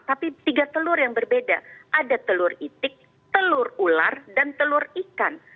tapi tiga telur yang berbeda ada telur itik telur ular dan telur ikan